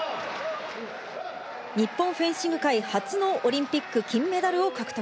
日本フェンシング界初のオリンピック金メダルを獲得。